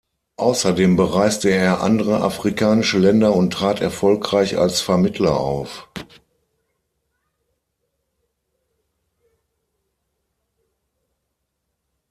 Außerdem bereiste er andere afrikanische Länder und trat erfolgreich als Vermittler auf.